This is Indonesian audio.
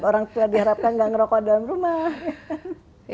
orang tua diharapkan tidak merokok dalam rumah